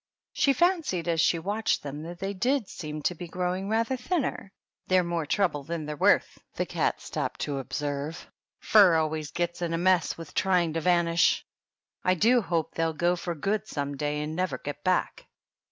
She fancied as she watched them that they did seem to be growing rather thinner. "They're more trouble than they're worth," the cat stopped to observe. " Fur always gets in a mess with trying to vanish. I do hope they'll go for good some day, and never get back